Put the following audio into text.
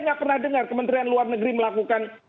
nggak pernah dengar kementerian luar negeri melakukan